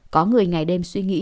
có người ngày đêm suy nghĩ